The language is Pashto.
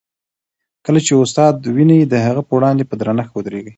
کله چي استاد وینئ، د هغه په وړاندې په درنښت ودریږئ.